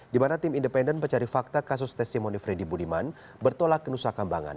dimana tim independen mencari fakta kasus testimoni freddy budiman bertolak ke nusakambangan